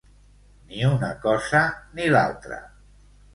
Ni una cosa ni l'altra.